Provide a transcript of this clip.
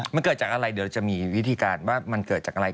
มันเกิดจากอะไรเดี๋ยวจะมีวิธีการว่ามันเกิดจากอะไร